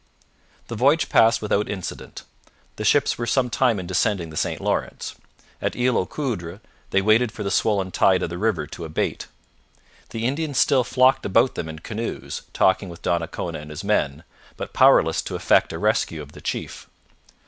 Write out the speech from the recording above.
The voyage passed without incident. The ships were some time in descending the St Lawrence. At Isle aux Coudres they waited for the swollen tide of the river to abate. The Indians still flocked about them in canoes, talking with Donnacona and his men, but powerless to effect a rescue of the chief.